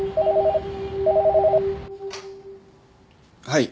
はい。